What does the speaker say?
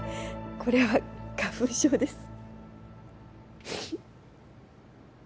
これは花粉症です